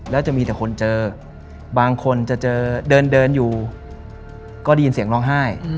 แล้วจะมีแต่คนเจอบางคนจะเจอเดินอยู่ก็ได้ยินเสียงร้องไห้